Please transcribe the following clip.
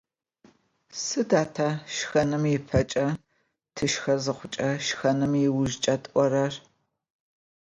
Sıda te şşxenım ıpeç'e, tışşxe zıxhuç'e, şşxenım ıujjç'e t'orer?